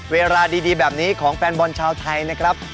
เวลาดีแบบนี้ของแฟนบอลชาวไทยนะครับ